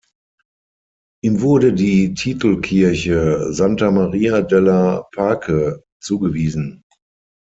Ihm wurde die Titelkirche "Santa Maria della Pace" zugewiesen.